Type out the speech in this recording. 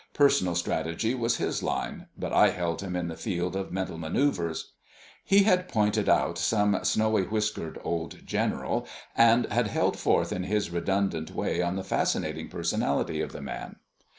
Personal strategy was his line, but I held him in the field of mental manœuvres. He had pointed out some snowy whiskered old general, and had held forth in his redundant way on the fascinating personality of the man.